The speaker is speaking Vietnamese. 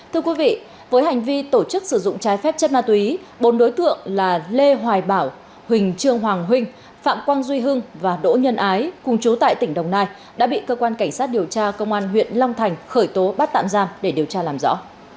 thưa quý vị với hành vi tổ chức sử dụng trái phép chất ma túy bốn đối tượng là lê hoài bảo huỳnh trương hoàng huỳnh phạm quang duy hưng và đỗ nhân ái cùng chú tại tỉnh đồng nai đã bị cơ quan cảnh sát điều tra công an huyện long thành khởi tố bắt tạm giam để điều tra làm rõ